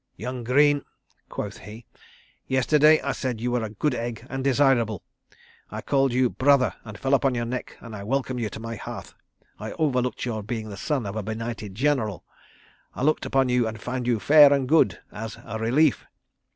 "Young Greene," quoth he, "yesterday I said you were a Good Egg and a desirable. I called you Brother, and fell upon your neck, and I welcomed you to my hearth. I overlooked your being the son of a beknighted General. I looked upon you and found you fair and good—as a 'relief.